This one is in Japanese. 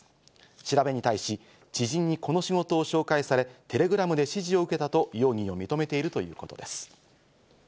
調べに対し、知人にこの仕事を紹介され、テレグラムで指示を受けたと容疑を認めているということです。